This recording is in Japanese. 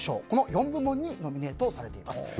この４部門にノミネートされています。